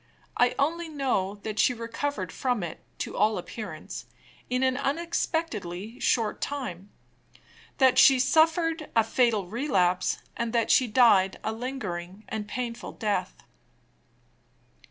I only know that she recovered from it, to all appearance, in an unexpectedly short time; that she suffered a fatal relapse, and that she died a lingering and a painful death.